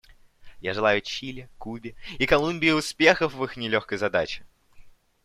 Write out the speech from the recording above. Я желаю Чили, Кубе и Колумбии успехов в их нелегкой задаче.